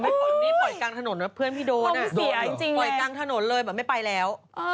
พี่ปล่อยกลางถนนนะเพื่อนพี่โดนอ่ะปล่อยกลางถนนเลยแบบไม่ไปแล้ว